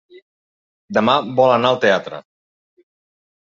Demà vol anar al teatre.